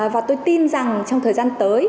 và tôi tin rằng trong thời gian tới